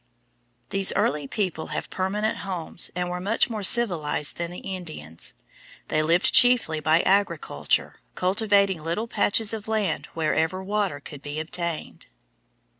These early people had permanent homes and were much more civilized than the Indians. They lived chiefly by agriculture, cultivating little patches of land wherever water could be obtained.